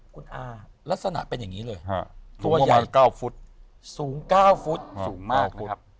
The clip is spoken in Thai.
คุณอาลักษณะเป็นอย่างนี้เลยตัวใหญ่๙ฟุตสูง๙ฟุตสูงมากเลย